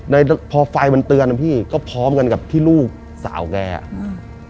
ในพอไฟมันเตือนนะพี่ก็พร้อมกันกับที่ลูกสาวแกอ่ะอืม